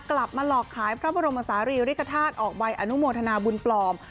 หลอกขายพระบรมศาลีริกฐาตุออกใบอนุโมทนาบุญปลอม